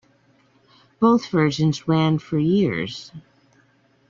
Both versions ran for years.